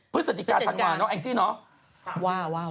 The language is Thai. พฤศจิกาธันวาเนาะแองจี้เนาะ